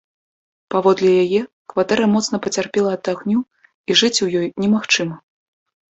Паводле яе, кватэра моцна пацярпела ад агню і жыць у ёй немагчыма.